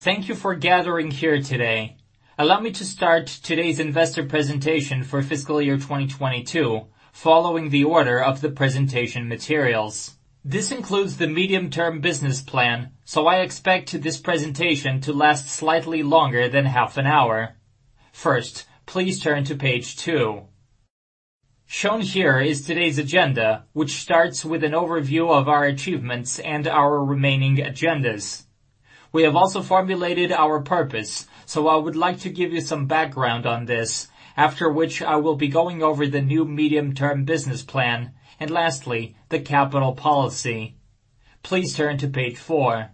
Thank you for gathering here today. Allow me to start today's investor presentation for fiscal year 2022 following the order of the presentation materials. This includes the medium-term business plan. I expect this presentation to last slightly longer than half an hour. First, please turn to page 2. Shown here is today's agenda, which starts with an overview of our achievements and our remaining agendas. We have also formulated our purpose. I would like to give you some background on this, after which I will be going over the new medium-term business plan, lastly, the capital policy. Please turn to page 4.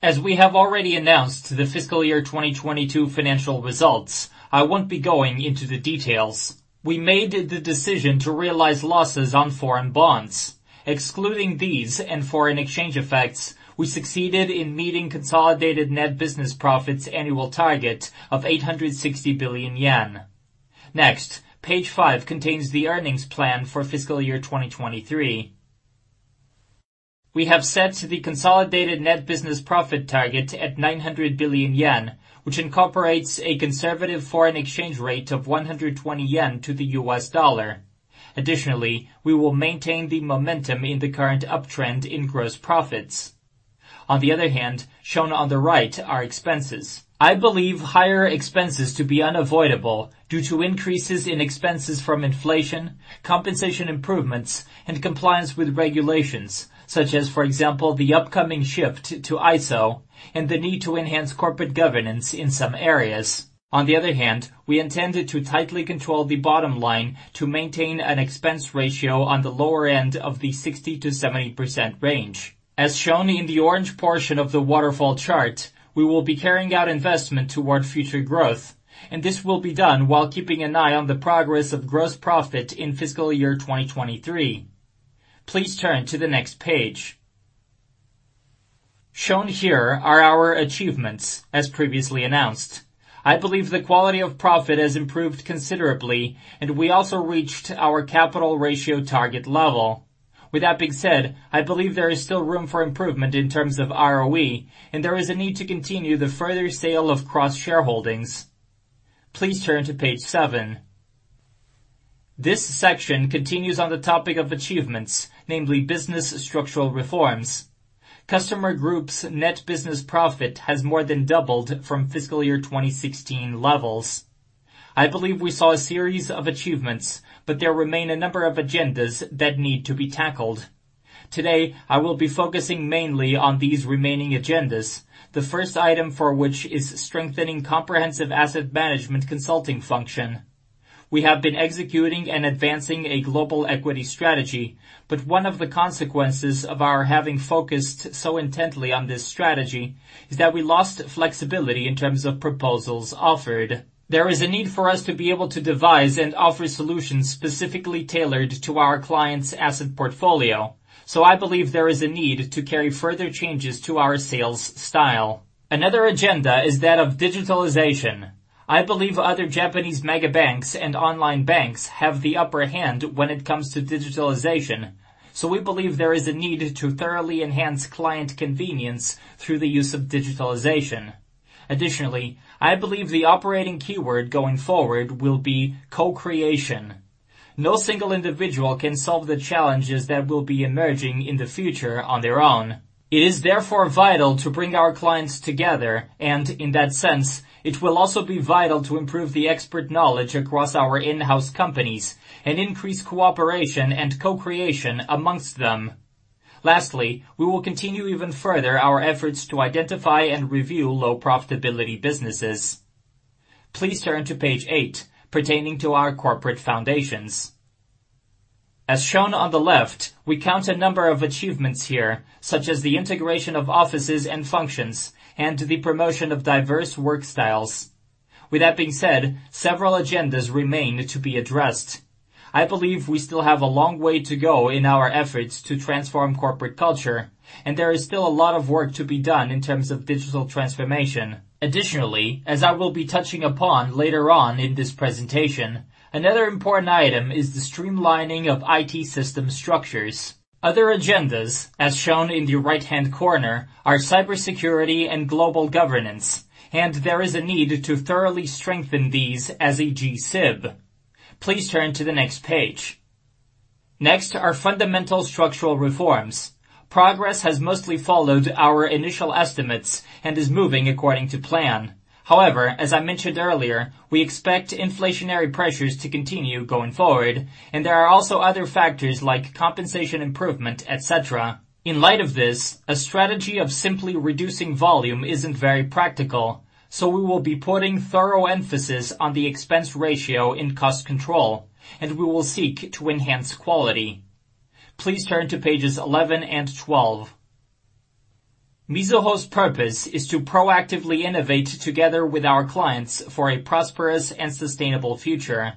As we have already announced the fiscal year 2022 financial results, I won't be going into the details. We made the decision to realize losses on foreign bonds. Excluding these and foreign exchange effects, we succeeded in meeting consolidated net business profits annual target of 860 billion yen. Page 5 contains the earnings plan for fiscal year 2023. We have set the consolidated net business profit target at 900 billion yen, which incorporates a conservative foreign exchange rate of 120 yen to the US dollar. We will maintain the momentum in the current uptrend in gross profits. Shown on the right are expenses. I believe higher expenses to be unavoidable due to increases in expenses from inflation, compensation improvements, and compliance with regulations, such as, for example, the upcoming shift to ISO and the need to enhance corporate governance in some areas. On the other hand, we intended to tightly control the bottom line to maintain an expense ratio on the lower end of the 60%-70% range. As shown in the orange portion of the waterfall chart, we will be carrying out investment toward future growth, and this will be done while keeping an eye on the progress of gross profit in fiscal year 2023. Please turn to the next page. Shown here are our achievements, as previously announced. I believe the quality of profit has improved considerably, and we also reached our capital ratio target level. With that being said, I believe there is still room for improvement in terms of ROE, and there is a need to continue the further sale of cross-shareholdings. Please turn to page 7. This section continues on the topic of achievements, namely business structural reforms. Customer group's net business profit has more than doubled from fiscal year 2016 levels. I believe we saw a series of achievements, but there remain a number of agendas that need to be tackled. Today, I will be focusing mainly on these remaining agendas, the first item for which is strengthening comprehensive asset management consulting function. We have been executing and advancing a global equity strategy, but one of the consequences of our having focused so intently on this strategy is that we lost flexibility in terms of proposals offered. There is a need for us to be able to devise and offer solutions specifically tailored to our clients' asset portfolio, so I believe there is a need to carry further changes to our sales style. Another agenda is that of digitalization. I believe other Japanese mega banks and online banks have the upper hand when it comes to digitalization. We believe there is a need to thoroughly enhance client convenience through the use of digitalization. I believe the operating keyword going forward will be co-creation. No single individual can solve the challenges that will be emerging in the future on their own. It is therefore vital to bring our clients together, and in that sense, it will also be vital to improve the expert knowledge across our in-house companies and increase cooperation and co-creation amongst them. We will continue even further our efforts to identify and review low profitability businesses. Please turn to page eight pertaining to our corporate foundations. As shown on the left, we count a number of achievements here, such as the integration of offices and functions and the promotion of diverse work styles. With that being said, several agendas remain to be addressed. I believe we still have a long way to go in our efforts to transform corporate culture, and there is still a lot of work to be done in terms of digital transformation. Additionally, as I will be touching upon later on in this presentation, another important item is the streamlining of IT system structures. Other agendas, as shown in the right-hand corner, are cybersecurity and global governance, and there is a need to thoroughly strengthen these as a G-SIB. Please turn to the next page. Next are fundamental structural reforms. Progress has mostly followed our initial estimates and is moving according to plan. However, as I mentioned earlier, we expect inflationary pressures to continue going forward, and there are also other factors like compensation improvement, etc. In light of this, a strategy of simply reducing volume isn't very practical, so we will be putting thorough emphasis on the expense ratio in cost control, and we will seek to enhance quality. Please turn to pages 11 and 12. Mizuho's purpose is to proactively innovate together with our clients for a prosperous and sustainable future.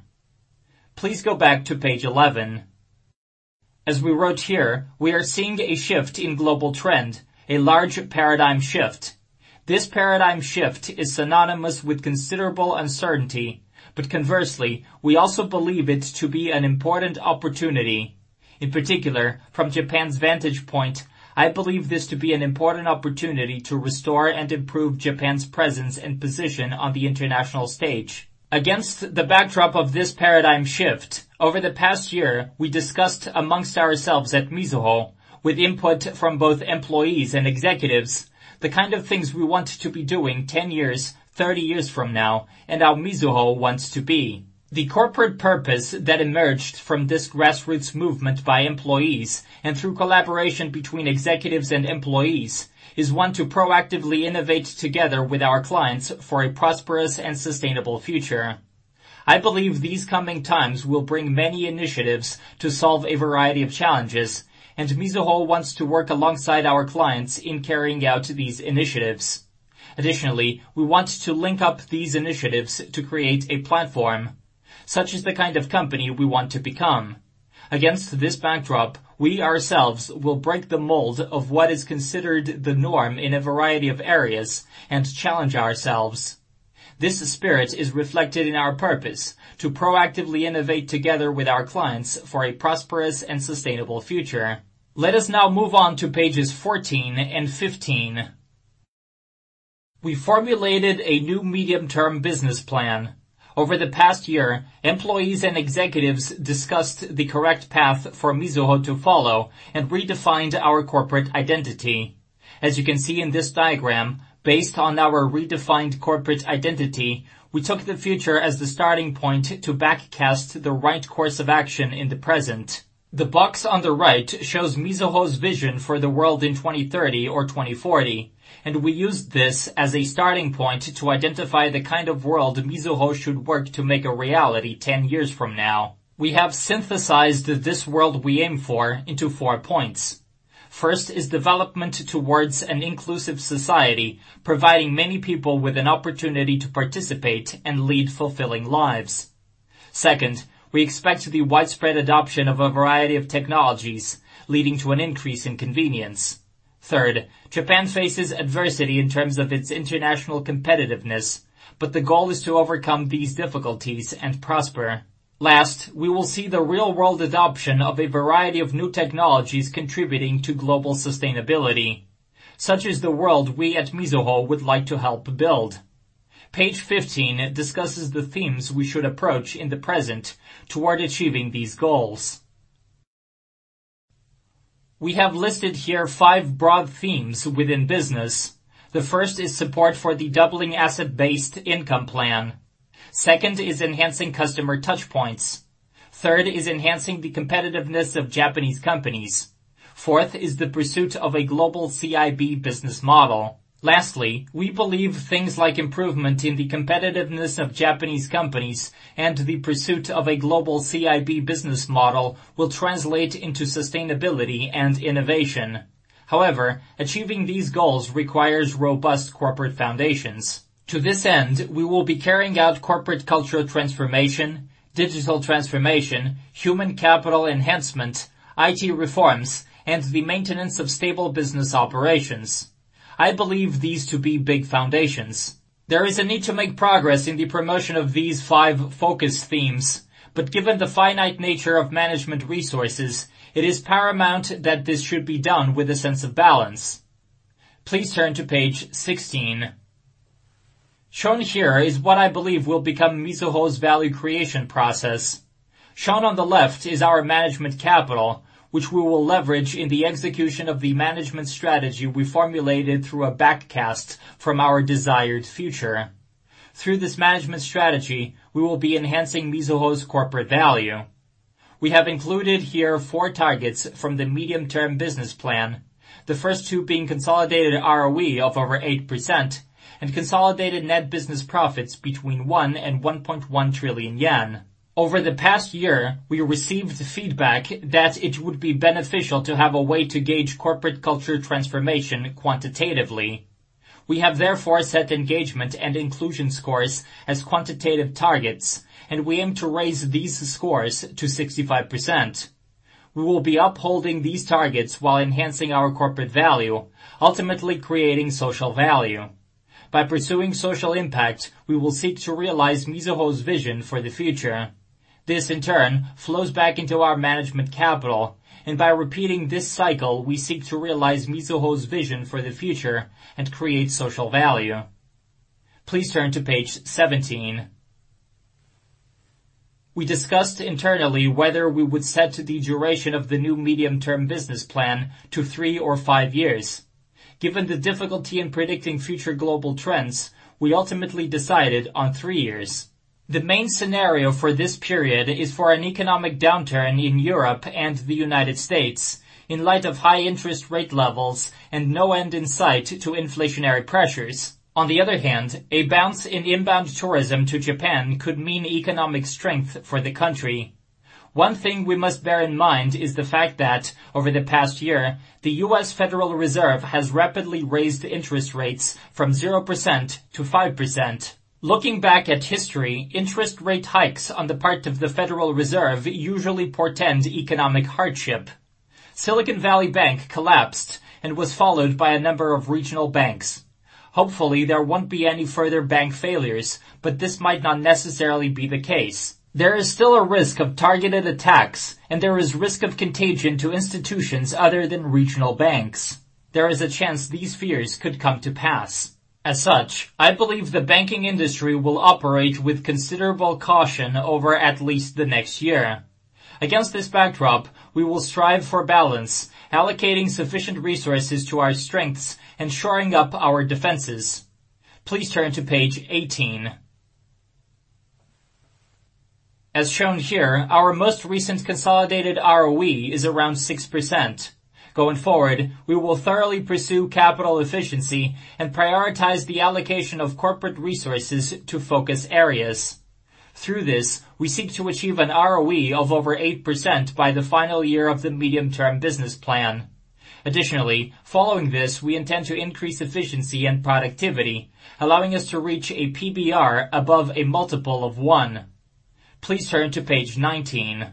Please go back to page 11. As we wrote here, we are seeing a shift in global trend, a large paradigm shift. This paradigm shift is synonymous with considerable uncertainty, but conversely, we also believe it to be an important opportunity. In particular, from Japan's vantage point, I believe this to be an important opportunity to restore and improve Japan's presence and position on the international stage. Against the backdrop of this paradigm shift, over the past year, we discussed amongst ourselves at Mizuho, with input from both employees and executives, the kind of things we want to be doing ten years, thirty years from now, and how Mizuho wants to be. The corporate purpose that emerged from this grassroots movement by employees and through collaboration between executives and employees is one to proactively innovate together with our clients for a prosperous and sustainable future. I believe these coming times will bring many initiatives to solve a variety of challenges, and Mizuho wants to work alongside our clients in carrying out these initiatives. We want to link up these initiatives to create a platform, such as the kind of company we want to become. Against this backdrop, we ourselves will break the mold of what is considered the norm in a variety of areas and challenge ourselves. This spirit is reflected in our purpose to proactively innovate together with our clients for a prosperous and sustainable future. Let us now move on to pages 14 and 15. We formulated a new medium-term business plan. Over the past year, employees and executives discussed the correct path for Mizuho to follow and redefined our corporate identity. As you can see in this diagram, based on our redefined corporate identity, we took the future as the starting point to backcast the right course of action in the present. The box on the right shows Mizuho's vision for the world in 2030 or 2040. We used this as a starting point to identify the kind of world Mizuho should work to make a reality 10 years from now. We have synthesized this world we aim for into 4 points. First is development towards an inclusive society, providing many people with an opportunity to participate and lead fulfilling lives. Second, we expect the widespread adoption of a variety of technologies, leading to an increase in convenience. Third, Japan faces adversity in terms of its international competitiveness. The goal is to overcome these difficulties and prosper. Last, we will see the real-world adoption of a variety of new technologies contributing to global sustainability, such as the world we at Mizuho would like to help build. Page 15 discusses the themes we should approach in the present toward achieving these goals. We have listed here five broad themes within business. The first is support for the Doubling Asset-based Income Plan. Second is enhancing customer touchpoints. Third is enhancing the competitiveness of Japanese companies. Fourth is the pursuit of a global CIB business model. Lastly, we believe things like improvement in the competitiveness of Japanese companies and the pursuit of a global CIB business model will translate into sustainability and innovation. However, achieving these goals requires robust corporate foundations. To this end, we will be carrying out corporate culture transformation, digital transformation, human capital enhancement, IT reforms, and the maintenance of stable business operations. I believe these to be big foundations. There is a need to make progress in the promotion of these five focus themes, but given the finite nature of management resources, it is paramount that this should be done with a sense of balance. Please turn to page 16. Shown here is what I believe will become Mizuho's value creation process. Shown on the left is our management capital, which we will leverage in the execution of the management strategy we formulated through a backcast from our desired future. Through this management strategy, we will be enhancing Mizuho's corporate value. We have included here four targets from the medium-term business plan, the first two being consolidated ROE of over 8% and consolidated net business profits between 1 trillion-1.1 trillion yen. Over the past year, we received feedback that it would be beneficial to have a way to gauge corporate culture transformation quantitatively. We have therefore set engagement and inclusion scores as quantitative targets, and we aim to raise these scores to 65%. We will be upholding these targets while enhancing our corporate value, ultimately creating social value. By pursuing social impact, we will seek to realize Mizuho's vision for the future. This, in turn, flows back into our management capital, and by repeating this cycle, we seek to realize Mizuho's vision for the future and create social value. Please turn to page 17. We discussed internally whether we would set the duration of the new medium-term business plan to three or five years. Given the difficulty in predicting future global trends, we ultimately decided on three years. The main scenario for this period is for an economic downturn in Europe and the United States in light of high interest rate levels and no end in sight to inflationary pressures. On the other hand, a bounce in inbound tourism to Japan could mean economic strength for the country. One thing we must bear in mind is the fact that over the past year, the US Federal Reserve has rapidly raised interest rates from 0% to 5%. Looking back at history, interest rate hikes on the part of the Federal Reserve usually portend economic hardship. Silicon Valley Bank collapsed and was followed by a number of regional banks. Hopefully, there won't be any further bank failures, but this might not necessarily be the case. There is still a risk of targeted attacks, and there is risk of contagion to institutions other than regional banks. There is a chance these fears could come to pass. As such, I believe the banking industry will operate with considerable caution over at least the next year. Against this backdrop, we will strive for balance, allocating sufficient resources to our strengths and shoring up our defenses. Please turn to page 18. As shown here, our most recent consolidated ROE is around 6%. Going forward, we will thoroughly pursue capital efficiency and prioritize the allocation of corporate resources to focus areas. Through this, we seek to achieve an ROE of over 8% by the final year of the medium-term business plan. Following this, we intend to increase efficiency and productivity, allowing us to reach a PBR above a multiple of 1. Please turn to page 19.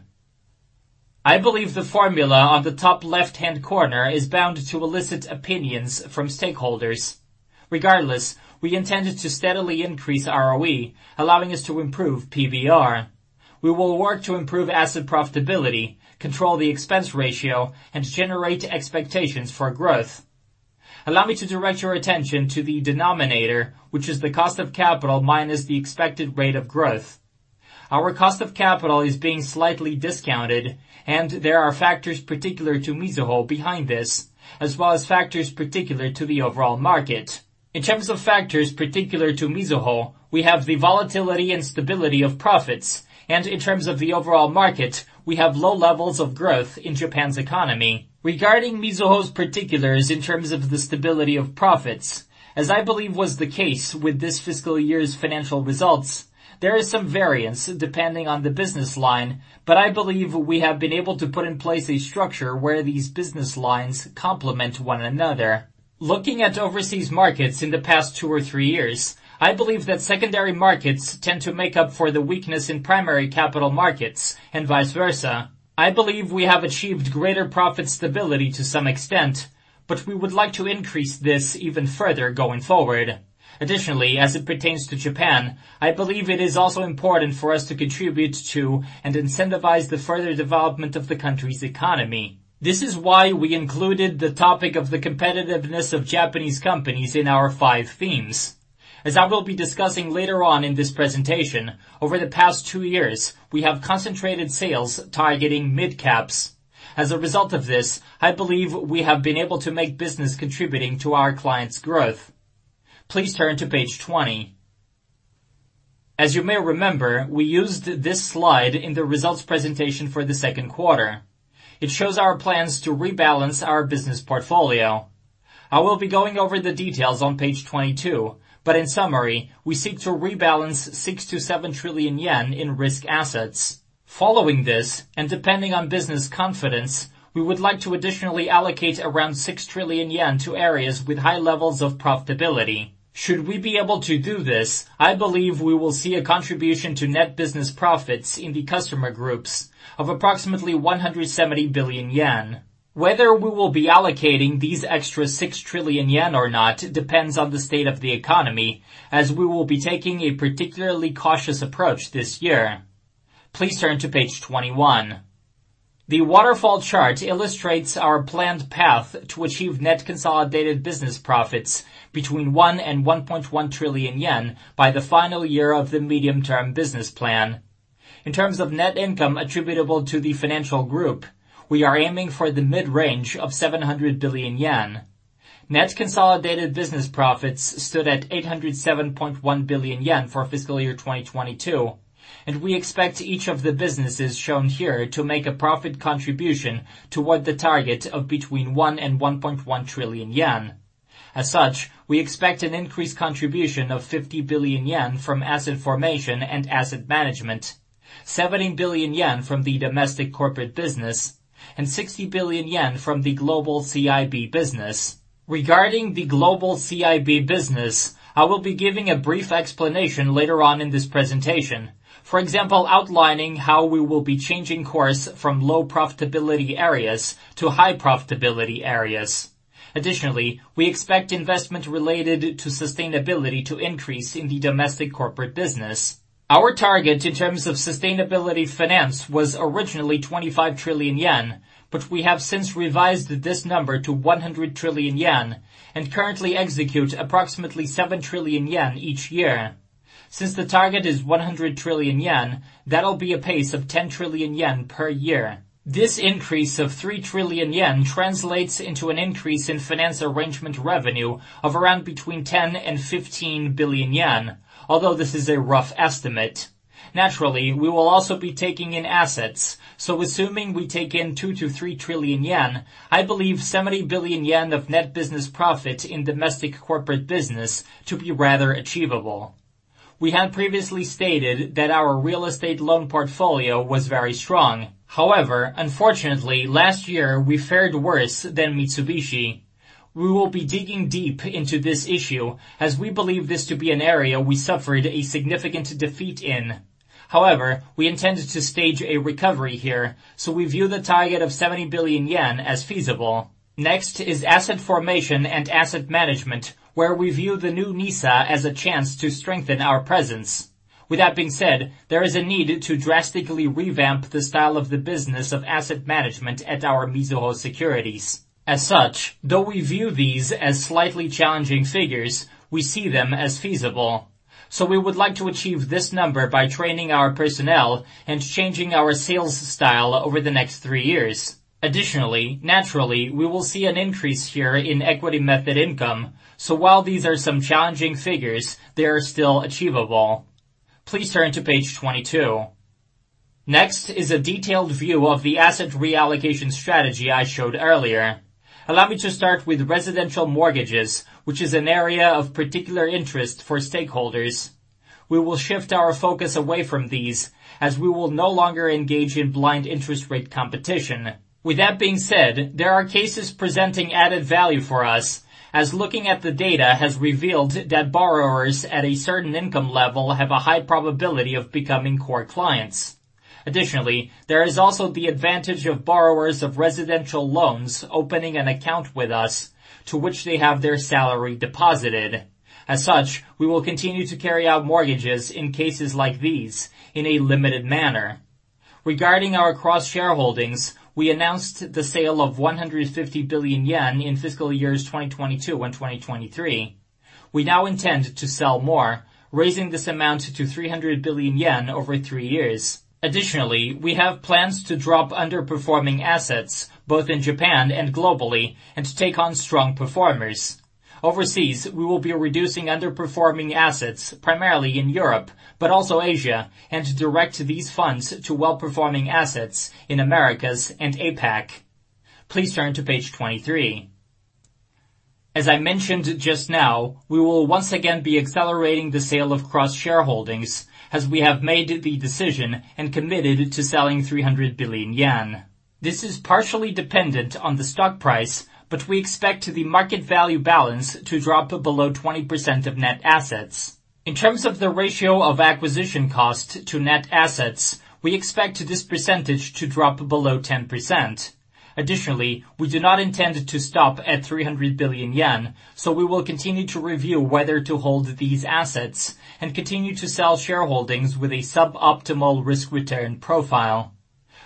I believe the formula on the top left-hand corner is bound to elicit opinions from stakeholders. We intended to steadily increase ROE, allowing us to improve PBR. We will work to improve asset profitability, control the expense ratio, and generate expectations for growth. Allow me to direct your attention to the denominator, which is the cost of capital minus the expected rate of growth. Our cost of capital is being slightly discounted. There are factors particular to Mizuho behind this, as well as factors particular to the overall market. In terms of factors particular to Mizuho, we have the volatility and stability of profits. In terms of the overall market, we have low levels of growth in Japan's economy. Regarding Mizuho's particulars in terms of the stability of profits, as I believe was the case with this fiscal year's financial results, there is some variance depending on the business line. I believe we have been able to put in place a structure where these business lines complement one another. Looking at overseas markets in the past 2 or 3 years, I believe that secondary markets tend to make up for the weakness in primary capital markets and vice versa. I believe we have achieved greater profit stability to some extent, but we would like to increase this even further going forward. Additionally, as it pertains to Japan, I believe it is also important for us to contribute to and incentivize the further development of the country's economy. This is why we included the topic of the competitiveness of Japanese companies in our 5 themes. As I will be discussing later on in this presentation, over the past 2 years, we have concentrated sales targeting midcaps. As a result of this, I believe we have been able to make business contributing to our clients' growth. Please turn to page 20. As you may remember, we used this slide in the results presentation for the second quarter. It shows our plans to rebalance our business portfolio. I will be going over the details on page 22, but in summary, we seek to rebalance 6 trillion-7 trillion yen in risk assets. Following this, and depending on business confidence, we would like to additionally allocate around 6 trillion yen to areas with high levels of profitability. Should we be able to do this, I believe we will see a contribution to net business profits in the customer groups of approximately 170 billion yen. Whether we will be allocating these extra 6 trillion yen or not depends on the state of the economy, as we will be taking a particularly cautious approach this year. Please turn to page 21. The waterfall chart illustrates our planned path to achieve consolidated net business profits between 1 trillion and 1.1 trillion yen by the final year of the medium-term business plan. In terms of net income attributable to the financial group, we are aiming for the mid-range of 700 billion yen. Consolidated net business profits stood at 807.1 billion yen for fiscal year 2022, and we expect each of the businesses shown here to make a profit contribution toward the target of between 1 trillion and 1.1 trillion yen. As such, we expect an increased contribution of 50 billion yen from asset formation and asset management, 17 billion yen from the domestic corporate business, and 60 billion yen from the global CIB business. Regarding the global CIB business, I will be giving a brief explanation later on in this presentation. For example, outlining how we will be changing course from low profitability areas to high profitability areas. We expect investment related to sustainability to increase in the domestic corporate business. Our target in terms of sustainability finance was originally 25 trillion yen, but we have since revised this number to 100 trillion yen and currently execute approximately 7 trillion yen each year. Since the target is 100 trillion yen, that'll be a pace of 10 trillion yen per year. This increase of 3 trillion yen translates into an increase in finance arrangement revenue of around between 10 billion-15 billion yen. Although this is a rough estimate. we will also be taking in assets, assuming we take in 2 trillion-3 trillion yen, I believe 70 billion yen of net business profit in domestic corporate business to be rather achievable. We had previously stated that our real estate loan portfolio was very strong. unfortunately, last year we fared worse than Mitsubishi. We will be digging deep into this issue as we believe this to be an area we suffered a significant defeat in. we intended to stage a recovery here, we view the target of 70 billion yen as feasible. is asset formation and asset management, where we view the new NISA as a chance to strengthen our presence. there is a need to drastically revamp the style of the business of asset management at our Mizuho Securities. As such, though we view these as slightly challenging figures, we see them as feasible. We would like to achieve this number by training our personnel and changing our sales style over the next 3 years. Additionally, naturally, we will see an increase here in equity method income. While these are some challenging figures, they are still achievable. Please turn to page 22. Next is a detailed view of the asset reallocation strategy I showed earlier. Allow me to start with residential mortgages, which is an area of particular interest for stakeholders. We will shift our focus away from these, as we will no longer engage in blind interest rate competition. With that being said, there are cases presenting added value for us as looking at the data has revealed that borrowers at a certain income level have a high probability of becoming core clients. There is also the advantage of borrowers of residential loans opening an account with us to which they have their salary deposited. We will continue to carry out mortgages in cases like these in a limited manner. Regarding our cross-shareholdings, we announced the sale of 150 billion yen in fiscal years 2022 and 2023. We now intend to sell more, raising this amount to 300 billion yen over 3 years. We have plans to drop underperforming assets both in Japan and globally and take on strong performers. Overseas, we will be reducing underperforming assets, primarily in Europe, but also Asia, and direct these funds to well-performing assets in Americas and APAC. Please turn to page 23. As I mentioned just now, we will once again be accelerating the sale of cross-shareholdings as we have made the decision and committed to selling 300 billion yen. This is partially dependent on the stock price, but we expect the market value balance to drop below 20% of net assets. In terms of the ratio of acquisition cost to net assets, we expect this percentage to drop below 10%. Additionally, we do not intend to stop at 300 billion yen, so we will continue to review whether to hold these assets and continue to sell shareholdings with a suboptimal risk-return profile.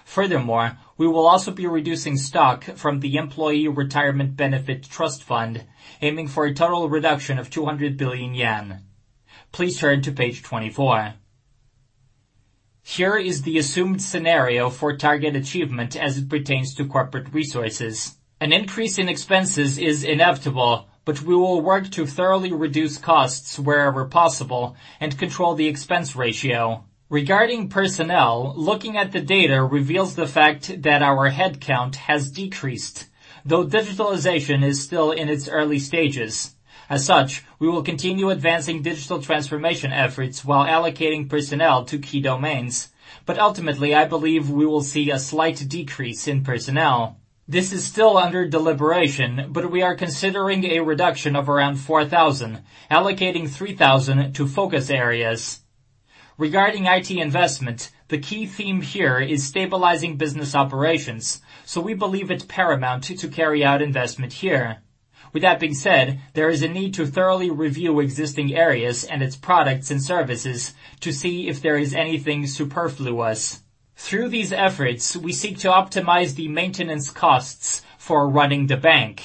Furthermore, we will also be reducing stock from the Employee Retirement Benefit Trust Fund, aiming for a total reduction of 200 billion yen. Please turn to page 24. Here is the assumed scenario for target achievement as it pertains to corporate resources. An increase in expenses is inevitable, but we will work to thoroughly reduce costs wherever possible and control the expense ratio. Regarding personnel, looking at the data reveals the fact that our headcount has decreased, though digitalization is still in its early stages. As such, we will continue advancing digital transformation efforts while allocating personnel to key domains. Ultimately, I believe we will see a slight decrease in personnel. This is still under deliberation, but we are considering a reduction of around 4,000, allocating 3,000 to focus areas. Regarding IT investment, the key theme here is stabilizing business operations, so we believe it's paramount to carry out investment here. With that being said, there is a need to thoroughly review existing areas and its products and services to see if there is anything superfluous. Through these efforts, we seek to optimize the maintenance costs for running the bank.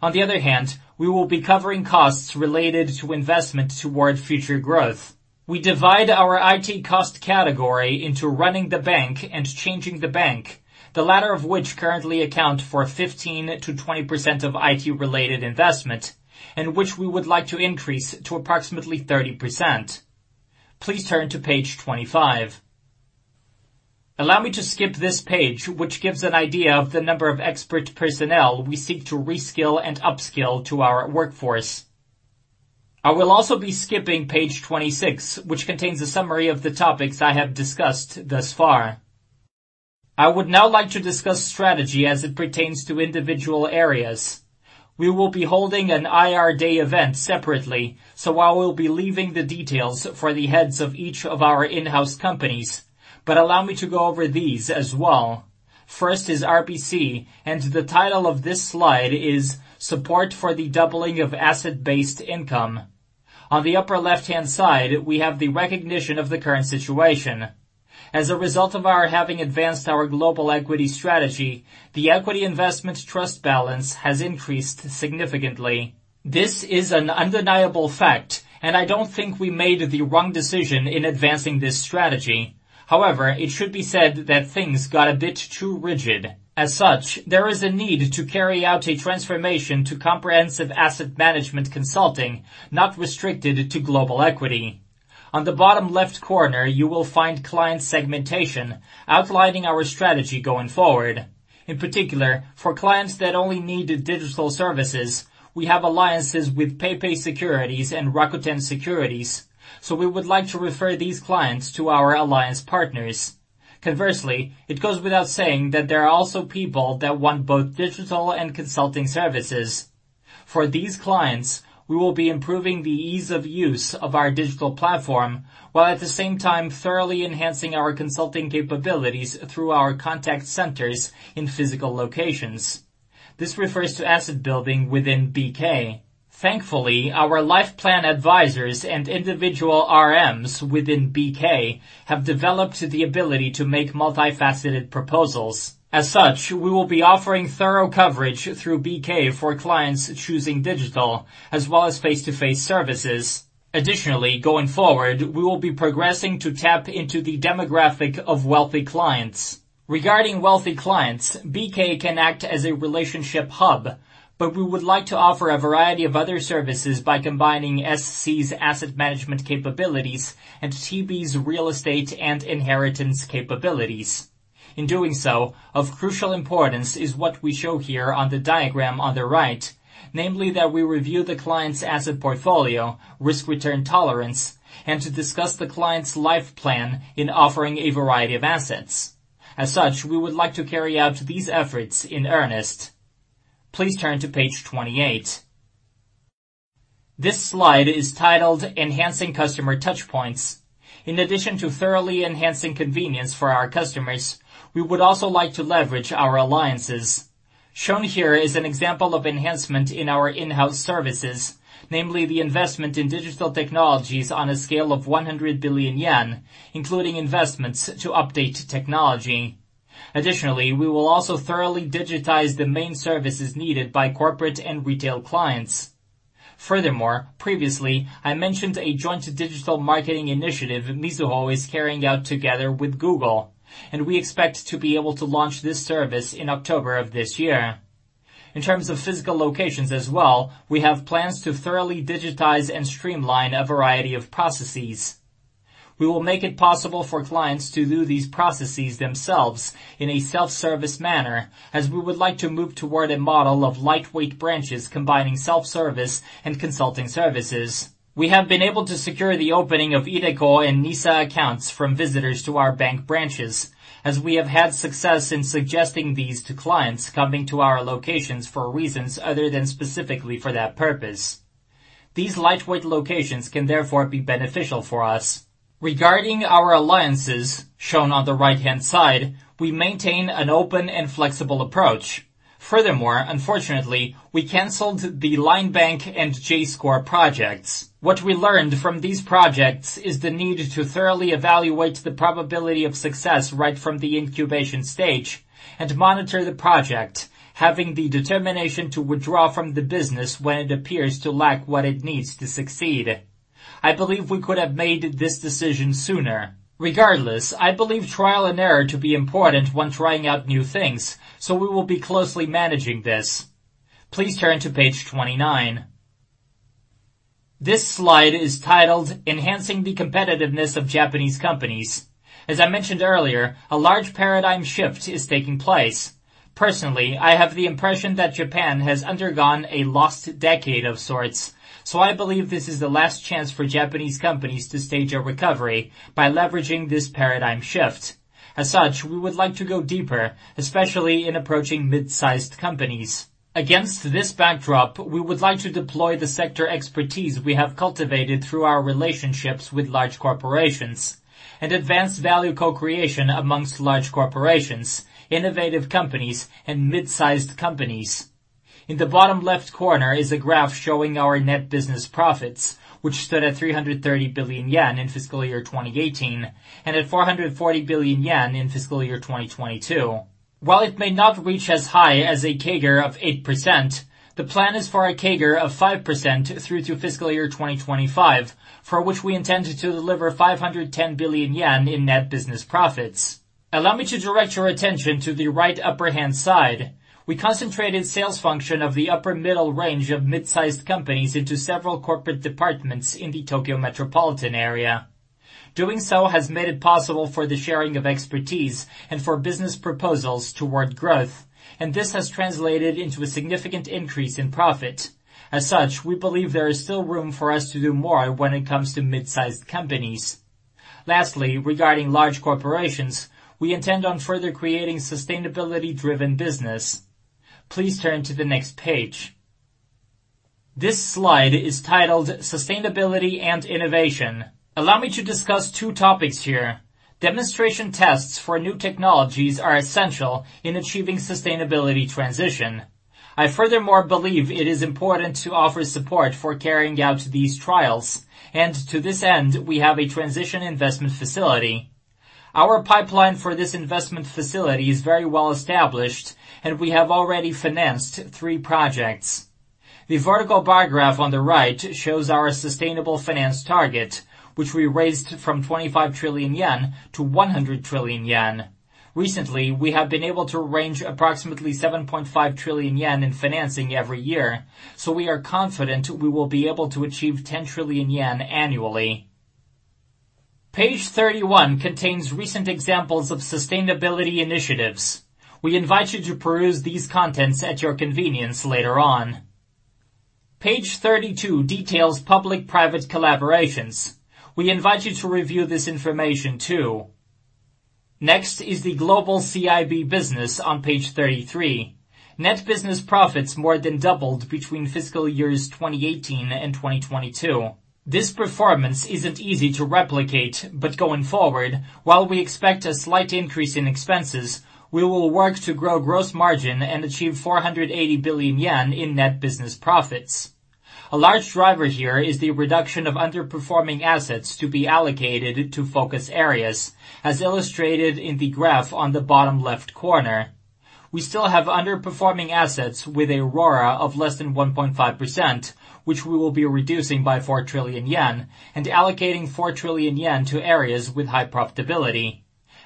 On the other hand, we will be covering costs related to investment toward future growth. We divide our IT cost category into running the bank and changing the bank, the latter of which currently account for 15%-20% of IT-related investment, and which we would like to increase to approximately 30%. Please turn to page 25. Allow me to skip this page, which gives an idea of the number of expert personnel we seek to reskill and upskill to our workforce. I will also be skipping page 26, which contains a summary of the topics I have discussed thus far. I would now like to discuss strategy as it pertains to individual areas. We will be holding an IR day event separately, I will be leaving the details for the heads of each of our in-house companies. Allow me to go over these as well. First is RPC, and the title of this slide is Support for the Doubling of Asset-Based Income. On the upper left-hand side, we have the recognition of the current situation. As a result of our having advanced our global equity strategy, the equity investment trust balance has increased significantly. This is an undeniable fact, and I don't think we made the wrong decision in advancing this strategy. However, it should be said that things got a bit too rigid. As such, there is a need to carry out a transformation to comprehensive asset management consulting, not restricted to global equity. On the bottom left corner, you will find client segmentation outlining our strategy going forward. In particular, for clients that only need digital services, we have alliances with PayPay Securities and Rakuten Securities, so we would like to refer these clients to our alliance partners. It goes without saying that there are also people that want both digital and consulting services. For these clients, we will be improving the ease of use of our digital platform, while at the same time thoroughly enhancing our consulting capabilities through our contact centers in physical locations. This refers to asset building within BK. Thankfully, our life plan advisors and individual RMs within BK have developed the ability to make multifaceted proposals. We will be offering thorough coverage through BK for clients choosing digital as well as face-to-face services. Going forward, we will be progressing to tap into the demographic of wealthy clients. Regarding wealthy clients, BK can act as a relationship hub, but we would like to offer a variety of other services by combining SC's asset management capabilities and CB's real estate and inheritance capabilities. In doing so, of crucial importance is what we show here on the diagram on the right, namely that we review the client's asset portfolio, risk-return tolerance, and to discuss the client's life plan in offering a variety of assets. We would like to carry out these efforts in earnest. Please turn to page 28. This slide is titled Enhancing Customer Touchpoints. In addition to thoroughly enhancing convenience for our customers, we would also like to leverage our alliances. Shown here is an example of enhancement in our in-house services, namely the investment in digital technologies on a scale of 100 billion yen, including investments to update technology. Additionally, we will also thoroughly digitize the main services needed by corporate and retail clients. Previously, I mentioned a joint digital marketing initiative Mizuho is carrying out together with Google, and we expect to be able to launch this service in October of this year. In terms of physical locations as well, we have plans to thoroughly digitize and streamline a variety of processes. We will make it possible for clients to do these processes themselves in a self-service manner as we would like to move toward a model of lightweight branches combining self-service and consulting services. We have been able to secure the opening of iDeCo and NISA accounts from visitors to our bank branches, as we have had success in suggesting these to clients coming to our locations for reasons other than specifically for that purpose. These lightweight locations can therefore be beneficial for us. Regarding our alliances shown on the right-hand side, we maintain an open and flexible approach. Furthermore, unfortunately, we canceled the LINE Bank and J.Score projects. What we learned from these projects is the need to thoroughly evaluate the probability of success right from the incubation stage and monitor the project, having the determination to withdraw from the business when it appears to lack what it needs to succeed. I believe we could have made this decision sooner. Regardless, I believe trial and error to be important when trying out new things, so we will be closely managing this. Please turn to page 29. This slide is titled Enhancing the Competitiveness of Japanese Companies. As I mentioned earlier, a large paradigm shift is taking place. Personally, I have the impression that Japan has undergone a lost decade of sorts. I believe this is the last chance for Japanese companies to stage a recovery by leveraging this paradigm shift. We would like to go deeper, especially in approaching mid-sized companies. Against this backdrop, we would like to deploy the sector expertise we have cultivated through our relationships with large corporations and advanced value co-creation amongst large corporations, innovative companies, and mid-sized companies. In the bottom left corner is a graph showing our net business profits, which stood at 330 billion yen in fiscal year 2018 and at 440 billion yen in fiscal year 2022. While it may not reach as high as a CAGR of 8%, the plan is for a CAGR of 5% through to fiscal year 2025, for which we intend to deliver 510 billion yen in Net Business Profits. Allow me to direct your attention to the right upper hand side. We concentrated sales function of the upper middle range of mid-sized companies into several corporate departments in the Tokyo Metropolitan area. Doing so has made it possible for the sharing of expertise and for business proposals toward growth, this has translated into a significant increase in profit. As such, we believe there is still room for us to do more when it comes to mid-sized companies. Lastly, regarding large corporations, we intend on further creating sustainability-driven business. Please turn to the next page. This slide is titled Sustainability and Innovation. Allow me to discuss two topics here. Demonstration tests for new technologies are essential in achieving sustainability transition. I furthermore believe it is important to offer support for carrying out these trials. To this end, we have a Transition Investment Facility. Our pipeline for this Transition Investment Facility is very well established. We have already financed three projects. The vertical bar graph on the right shows our sustainable finance target, which we raised from 25 trillion yen to 100 trillion yen. Recently, we have been able to arrange approximately 7.5 trillion yen in financing every year. We are confident we will be able to achieve 10 trillion yen annually. Page 31 contains recent examples of sustainability initiatives. We invite you to peruse these contents at your convenience later on. Page 32 details public-private collaborations. We invite you to review this information too. Next is the global CIB business on page 33. Net business profits more than doubled between fiscal years 2018 and 2022. This performance isn't easy to replicate. Going forward, while we expect a slight increase in expenses, we will work to grow gross margin and achieve 480 billion yen in net business profits. A large driver here is the reduction of underperforming assets to be allocated to focus areas, as illustrated in the graph on the bottom left corner. We still have underperforming assets with a RORA of less than 1.5%, which we will be reducing by 4 trillion yen and allocating 4 trillion yen to areas with high profitability.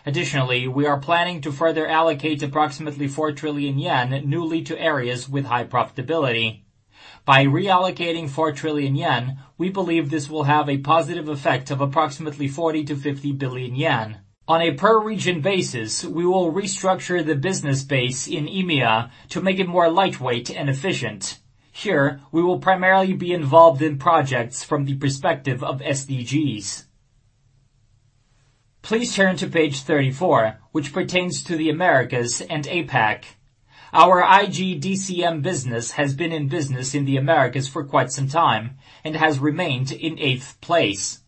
Additionally, we are planning to further allocate approximately 4 trillion yen newly to areas with high profitability. By reallocating 4 trillion yen, we believe this will have a positive effect of approximately 40 billion-50 billion yen. On a per region basis, we will restructure the business base in EMEA to make it more lightweight and efficient. Here, we will primarily be involved in projects from the perspective of SDGs. Please turn to page 34, which pertains to the Americas and APAC. Our IG DCM business has been in business in the Americas for quite some time and has remained in eighth place.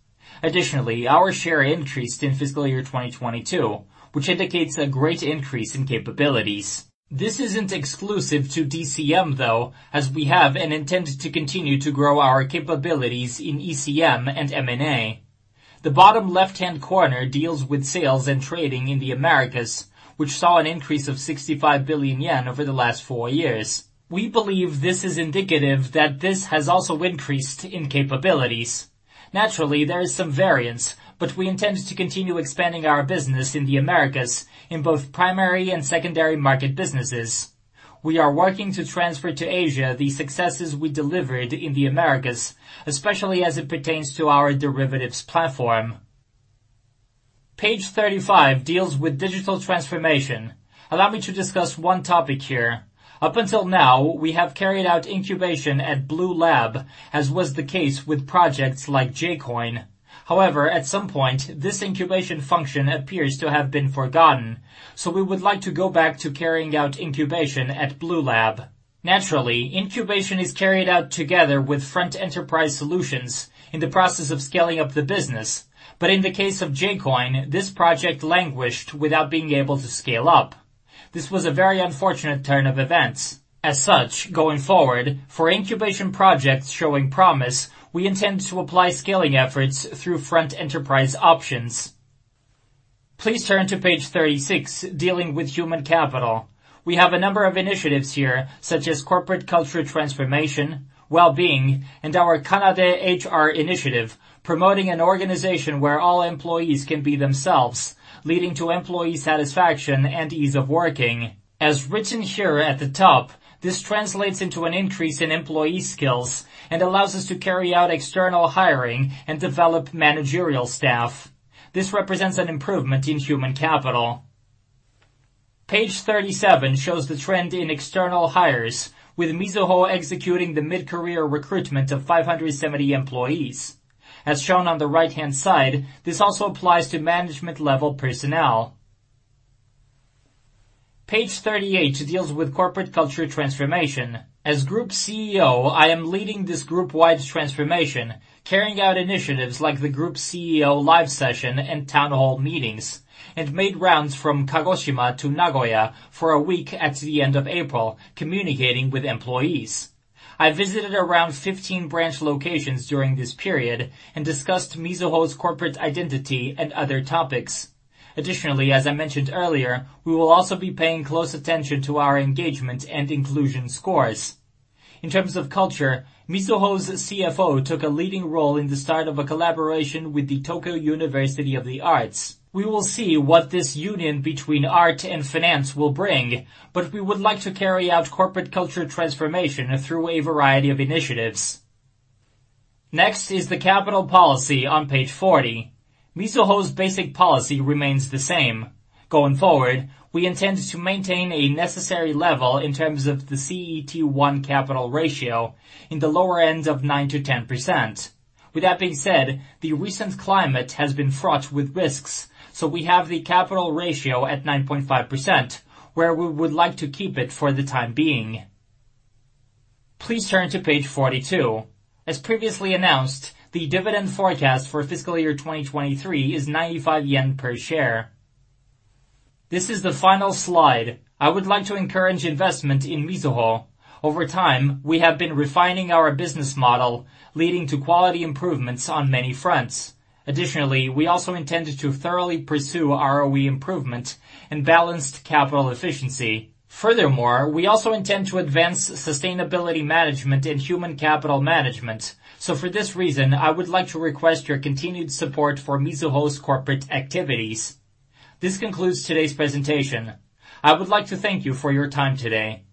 Additionally, our share increased in fiscal year 2022, which indicates a great increase in capabilities. This isn't exclusive to DCM, though, as we have and intend to continue to grow our capabilities in ECM and M&A. The bottom left-hand corner deals with sales and trading in the Americas, which saw an increase of 65 billion yen over the last four years. We believe this is indicative that this has also increased in capabilities. Naturally, there is some variance. We intend to continue expanding our business in the Americas in both primary and secondary market businesses. We are working to transfer to Asia the successes we delivered in the Americas, especially as it pertains to our derivatives platform. Page 35 deals with digital transformation. Allow me to discuss one topic here. Up until now, we have carried out incubation at Blue Lab, as was the case with projects like J-Coin. At some point, this incubation function appears to have been forgotten, so we would like to go back to carrying out incubation at Blue Lab. Naturally, incubation is carried out together with Front Enterprise Solutions in the process of scaling up the business. In the case of J-Coin, this project languished without being able to scale up. This was a very unfortunate turn of events. As such, going forward, for incubation projects showing promise, we intend to apply scaling efforts through Front Enterprise Solutions. Please turn to page 36 dealing with human capital. We have a number of initiatives here, such as corporate culture transformation, well-being, and our Kanade HR initiative, promoting an organization where all employees can be themselves, leading to employee satisfaction and ease of working. As written here at the top, this translates into an increase in employee skills and allows us to carry out external hiring and develop managerial staff. This represents an improvement in human capital. Page 37 shows the trend in external hires, with Mizuho executing the mid-career recruitment of 570 employees. As shown on the right-hand side, this also applies to management-level personnel. Page 38 deals with corporate culture transformation. As Group CEO, I am leading this group-wide transformation, carrying out initiatives like the Group CEO live session and town hall meetings, and made rounds from Kagoshima to Nagoya for a week at the end of April, communicating with employees. I visited around 15 branch locations during this period and discussed Mizuho's corporate identity and other topics. Additionally, as I mentioned earlier, we will also be paying close attention to our engagement and inclusion scores. In terms of culture, Mizuho's CFO took a leading role in the start of a collaboration with the Tokyo University of the Arts. We will see what this union between art and finance will bring, but we would like to carry out corporate culture transformation through a variety of initiatives. Next is the capital policy on page 40. Mizuho's basic policy remains the same. Going forward, we intend to maintain a necessary level in terms of the CET1 capital ratio in the lower end of 9%-10%. With that being said, the recent climate has been fraught with risks, so we have the capital ratio at 9.5%, where we would like to keep it for the time being. Please turn to page 42. As previously announced, the dividend forecast for fiscal year 2023 is 95 yen per share. This is the final slide. I would like to encourage investment in Mizuho. Over time, we have been refining our business model, leading to quality improvements on many fronts. Additionally, we also intend to thoroughly pursue ROE improvement and balanced capital efficiency. Furthermore, we also intend to advance sustainability management and human capital management. For this reason, I would like to request your continued support for Mizuho's corporate activities. This concludes today's presentation. I would like to thank you for your time today